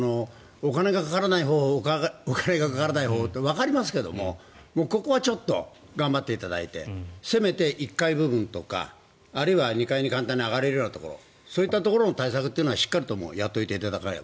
お金がかからないほうというのはわかりますが、ここはちょっと頑張っていただいてせめて１階部分とかあるいは２階に簡単に上がれるようなところそういったところの対策というのはやっていただかないと。